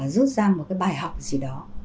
rút ra một cái bài học gì đó